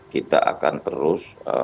kita akan terus